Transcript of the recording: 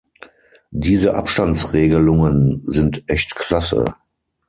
Diese Abstandsregelungen sind echt klasse.